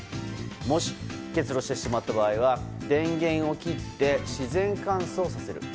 もし、結露してしまった場合は電源を切って自然乾燥させる。